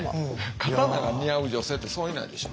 刀が似合う女性ってそういないでしょ。